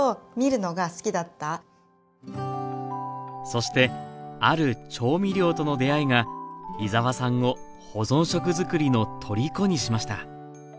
そしてある調味料との出会いが井澤さんを保存食づくりの虜にしました